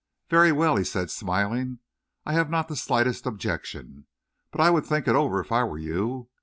"Very well," he said, smiling. "I have not the slightest objection. But I would think it over, if I were you.